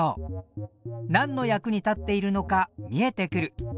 なんの役に立っているのか見えてくる。